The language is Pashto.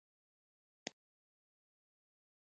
بې مهارته هڅه بې پایلې وي.